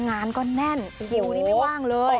งานก็แน่นคิวนี่ไม่ว่างเลย